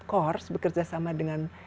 kursus bekerjasama dengan